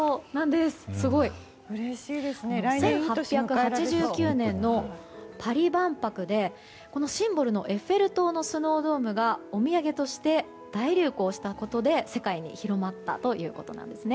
すごい！１８８９年のパリ万博でシンボルのエッフェル塔のスノードームがお土産として大流行したことで世界に広まったということです。